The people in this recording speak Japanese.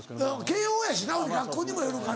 慶應やしな学校にもよるから。